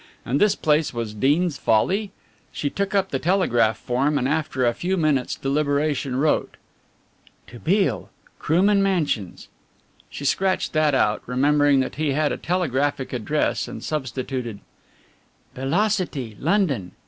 And this place was Deans Folly? She took up the telegraph form and after a few minutes' deliberation wrote: "To Beale, Krooman Mansions." She scratched that out, remembering that he had a telegraphic address and substituted: "Belocity, London."